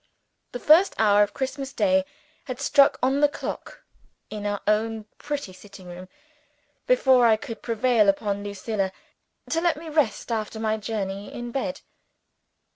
The first hour of Christmas Day had struck on the clock in our own pretty sitting room, before I could prevail upon Lucilla to let me rest, after my journey, in bed.